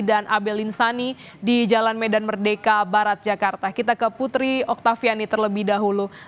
dan abel linsani di jalan merdeka barat jakarta kita ke putri oktaviani terlebih dahulu